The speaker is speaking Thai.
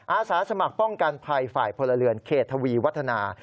อาสาสมัครป้องกันภัยฝ่ายพลเรือนเขตทวีวัฒนา